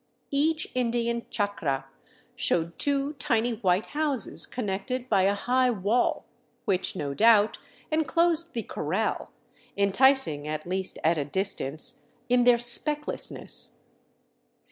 Each Indian chacra showed two tiny white houses connected by a high wall, which, no doubt, enclosed the corral, enticing — at least at a distance — in their specklessness.